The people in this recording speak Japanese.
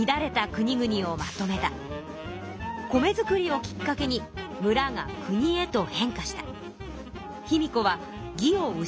米作りをきっかけにむらがくにへと変化した。